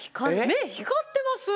目光ってます？